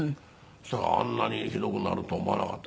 そしたらあんなにひどくなるとは思わなかった。